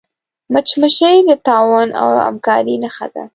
مچمچۍ د تعاون او همکاری نښه ده